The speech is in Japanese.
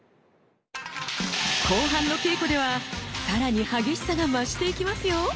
後半の稽古ではさらに激しさが増していきますよ！